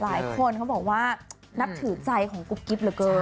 หลายคนเขาบอกว่านับถือใจของกุ๊บกิ๊บเหลือเกิน